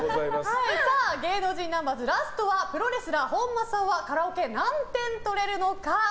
芸能人ナンバーズ、ラストはプロレスラー本間さんはカラオケ何点取れるのか。